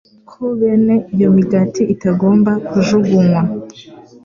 ko bene iyo migati itagomba kujugunywa,